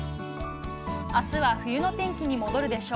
あすは冬の天気に戻るでしょう。